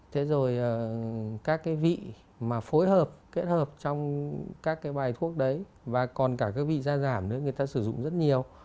thế rồi các cái vị mà phối hợp kết hợp trong các cái bài thuốc đấy và còn cả cái vị da giảm nữa người ta sử dụng rất nhiều